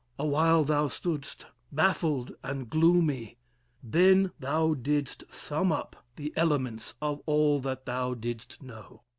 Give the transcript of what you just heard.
Awhile thou stood'st Baffled and gloomy; then thou did'st sum up The elements of all that thou did'st know.